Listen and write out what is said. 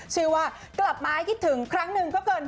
ชื่อว่ากลับมาคิดถึงครั้งหนึ่งก็เกิน